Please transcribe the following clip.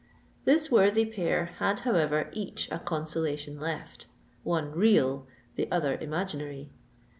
This worthy pair had, however, each a consolation left—one real, the other imaginary.